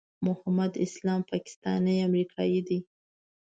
محمد اسلام پاکستانی امریکایی دی.